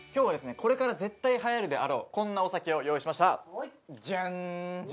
これから絶対はやるであろうこんなお酒を用意しましたジャン！